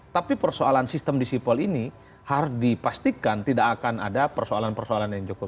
tapi persoalan sistem di sipol ini harus dipastikan tidak akan ada persoalan persoalan yang cukup